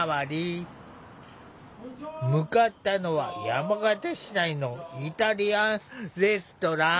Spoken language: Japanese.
向かったのは山形市内のイタリアンレストラン。